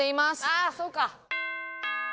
ああそうか！